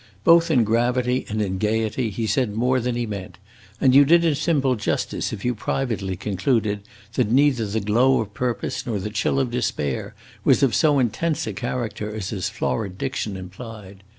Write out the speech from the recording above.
Both in gravity and in gayety he said more than he meant, and you did him simple justice if you privately concluded that neither the glow of purpose nor the chill of despair was of so intense a character as his florid diction implied.